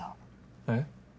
えっ？